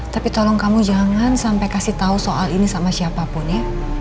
tapi tolong kamu jangan sampai kasih tahu soal ini sama siapapun ya